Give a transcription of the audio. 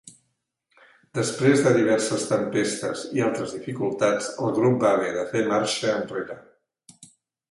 Després de diverses tempestes i altres dificultats, el grup va haver de fer marxa enrere.